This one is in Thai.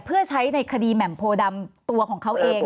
เพื่อใช้ในคดีแหม่มโพดำตัวของเขาเอง